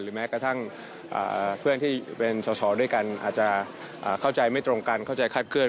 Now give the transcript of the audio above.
แม้กระทั่งเพื่อนที่เป็นส่อด้วยกันอาจจะเข้าใจไม่ตรงกันเข้าใจคาดเคลื